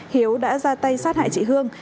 hiếu đã ra tay sát hại chị hương